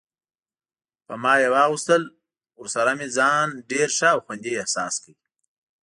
په ما یې واغوستل، ورسره مې ځان ډېر ښه او خوندي احساس کړ.